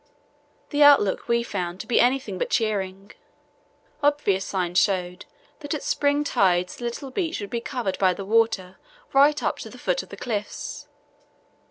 The outlook we found to be anything but cheering. Obvious signs showed that at spring tides the little beach would be covered by the water right up to the foot of the cliffs.